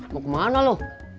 mau kemana lo